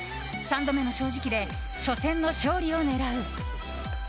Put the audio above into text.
三度目の正直で初戦の勝利を狙う。